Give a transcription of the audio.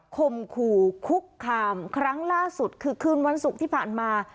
คมขู่คุกคามครั้งล่าสุดคือคืนวันศุกร์ที่ผ่านมา